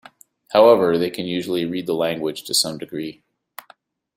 However, they can usually read the language to some degree.